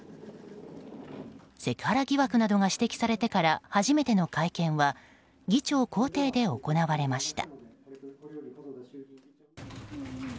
セクハラ疑惑などが指摘されてから、初めての会見は議長公邸で行われました。